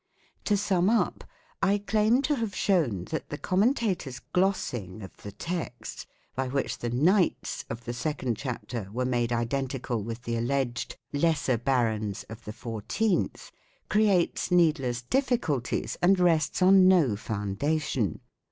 To sum up, I claim to have shown that the com mentators' glossing of the text, by which the " knights " of the second chapter were made identical with the alleged " lesser barons " of the fourteenth, creates needless difficulties and rests on no foundation.